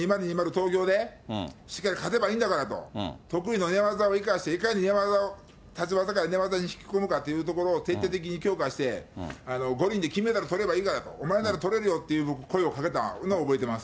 東京で、しっかり勝てばいいんだからと、得意の寝技を生かして、いかに寝技を、立ち技から寝技に引き込むかってところを徹底的に強化して、五輪で金メダルとれたらいいから、お前ならとれるよって声をかけたのを覚えてます。